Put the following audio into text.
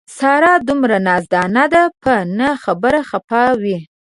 ساره دومره نازدان ده په نه خبره خپه وي.